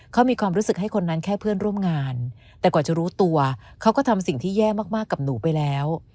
เขามีความรู้สึกให้คนนั้นแค่เพื่อนร่วมงานแต่กว่าจะรู้ตัวเขาก็ทำสิ่งที่แย่มากกับหนูไปแล้ว